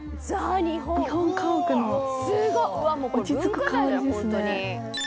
日本家屋の落ち着く香りですね。